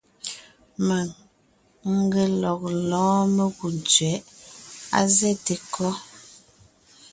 Mèŋ n ge lɔg lɔ́ɔn mekú tsẅɛ̌ʼ. Á zɛ́te kɔ́?